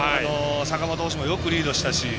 坂本捕手も、よくリードしたし。